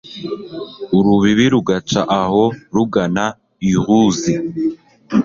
urubibi rugaca aho rugana i luzi